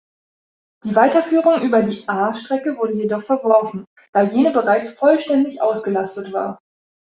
Die Weiterführung über die A-Strecke wurde jedoch verworfen, da jene bereits vollständig ausgelastet war.